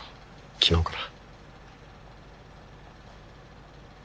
昨日から。